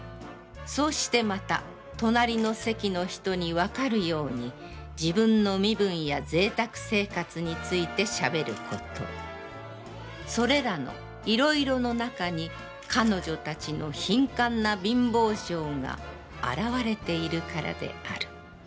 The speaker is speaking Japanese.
そうしてまた隣りの席の人に判るように自分の身分や贅沢生活について喋ること、それらのいろいろの中に彼女たちの貧寒な貧乏性が現われているからである」。